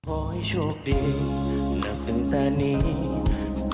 โอ้โหขอบคุณครับ